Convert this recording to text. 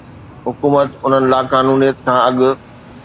حڪومت انهن لاقانونيت کان اڳ